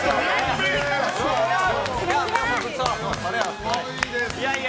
すごいです。